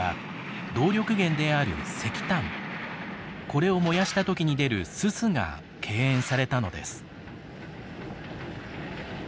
これを燃やした時に出るススが敬遠されたのです。